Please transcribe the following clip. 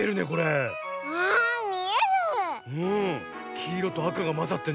きいろとあかがまざってね